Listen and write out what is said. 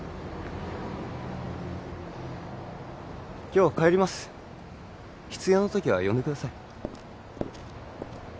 今日は帰ります必要なときは呼んでください